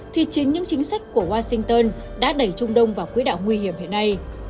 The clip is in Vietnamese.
thì chính những chính sách của washington đã đẩy trung đông vào quỹ đạo nguy hiểm hiện nay